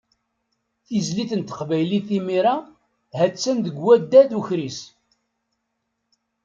Tizlit n teqbaylit imir-a, ha-tt-an deg waddad ukris.